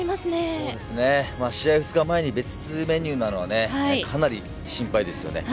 そうですね試合２日前に別メニューなのはかなり心配ですよね。